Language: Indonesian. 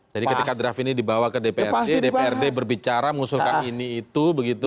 ketika draft ini dibawa ke dprd dprd berbicara mengusulkan ini itu begitu